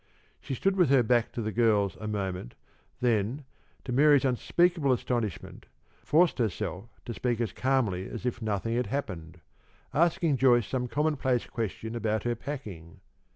She stood with her back to the girls a moment, then, to Mary's unspeakable astonishment, forced herself to speak as calmly as if nothing had happened, asking Joyce some commonplace question about her packing.